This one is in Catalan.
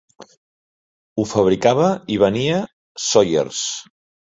Ho fabricava i venia Sawyer's.